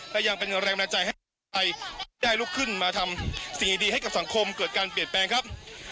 และยังเป็นแรงบันดาลใจให้คนไทยได้ลุกขึ้นมาทำสิ่งดีให้กับสังคมเกิดการเปลี่ยนแปลงครับ